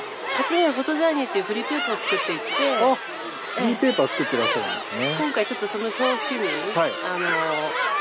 フリーペーパーを作っていらっしゃるんですね。